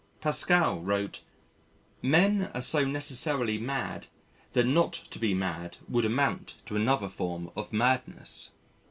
Pascal wrote: "Men are so necessarily mad that not to be mad would amount to another form of madness."